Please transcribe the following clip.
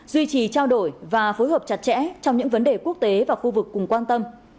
duy trì trao đổi và phối hợp chặt chẽ trong những vấn đề quốc tế và khu vực cùng quan tâm